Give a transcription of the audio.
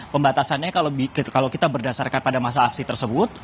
pembatasannya kalau kita berdasarkan pada masa aksi tersebut